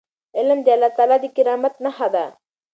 علم د الله تعالی د کرامت نښه ده.